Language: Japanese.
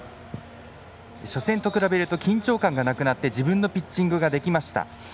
初戦と比べると緊張感がなくなって自分のピッチングができました。